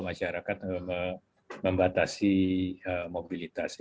masyarakat membatasi mobilitas